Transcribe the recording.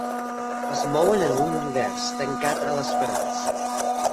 Es mouen en un univers tancat a l'esperança.